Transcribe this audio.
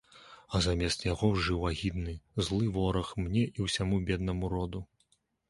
А замест яго жыў агідны, злы вораг мне і ўсяму беднаму роду.